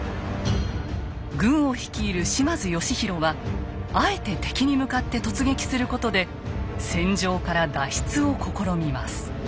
軍を率いる島津義弘はあえて敵に向かって突撃することで戦場から脱出を試みます。